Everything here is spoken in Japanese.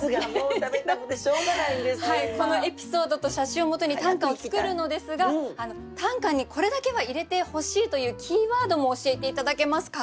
このエピソードと写真をもとに短歌を作るのですが短歌にこれだけは入れてほしいというキーワードも教えて頂けますか？